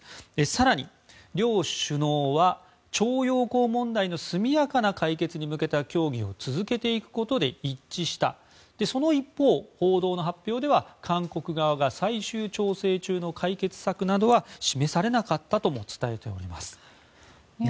更に両首脳は徴用工問題の速やかな解決に向けた協議を続けていくことで一致したその一方、報道の発表では韓国側が最終調整中の解決策などは示されなかったとも伝えております。